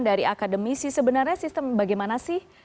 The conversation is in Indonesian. dari akademisi sebenarnya sistem bagaimana sih